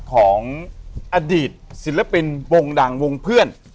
ของอดีตศิลปินวงดังวงเพื่อน